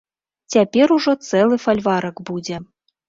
Цяпер ужо цэлы фальварак будзе.